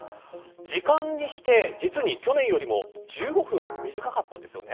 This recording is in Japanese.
時間にして実に去年よりも１５分短かったんです。